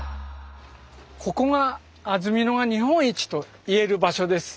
ここが安曇野が日本一と言える場所です。